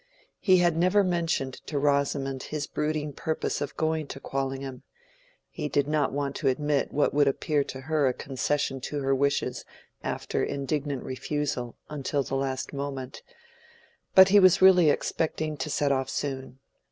He had never mentioned to Rosamond his brooding purpose of going to Quallingham: he did not want to admit what would appear to her a concession to her wishes after indignant refusal, until the last moment; but he was really expecting to set off soon.